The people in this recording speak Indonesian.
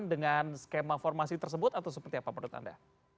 dengan skema formasi tersebut atau seperti apa menurut anda